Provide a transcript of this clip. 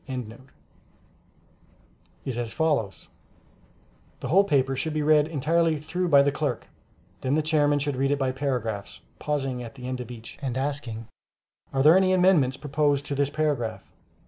] is as follows: The whole paper should be read entirely through by the clerk; then the Chairman should read it by paragraphs, pausing at the end of each, and asking, "Are there any amendments proposed to this paragraph?"